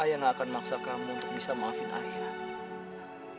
yang gak akan maksa kamu untuk bisa maafin ayah